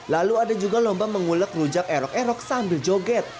lalu ada juga lomba mengulek rujak erok erok sambil joget